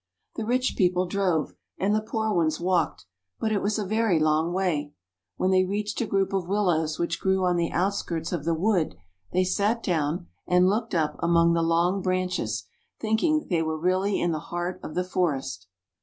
The rich people drove and the poor ones walked, but it was a very long way; when they reached a group of willows which grew on the out skirts of the wood, they sat down and looked up among the long branches, thinking that they were really in the heart of the forest.